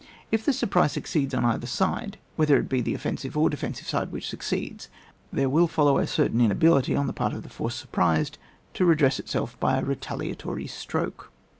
If the surprise succeeds on either side, whether it be the offensive or de fensive side which succeeds, there will follow a certain inability on the part of the force surprised, to redress itself by a retaliatory stroke.